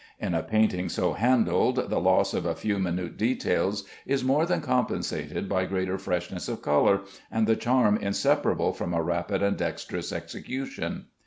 In a painting so handled the loss of a few minute details is more than compensated by greater freshness of color, and the charm inseparable from a rapid and dexterous execution.